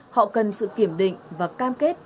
họ cần sự kiểm định và cam kết